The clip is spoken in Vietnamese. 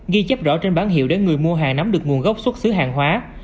ghi chấp rõ trên bán hiệu để người mua hàng nắm được nguồn gốc xuất xứ hàng hóa